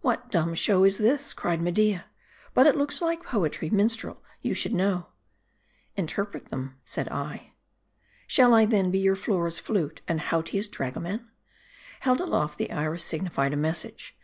'"What dumb show is this?" cried Media. "But.it looks like poetry : minstrel, you should know." " Interpret then," said I. " Shall I, then, be your Flora's Jftute, and Hautia's drago man ? Held aloft, the Iris signified a message.